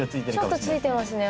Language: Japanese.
ちょっと付いてますね